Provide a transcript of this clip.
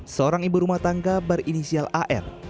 seorang ibu rumah tangga berinisial ar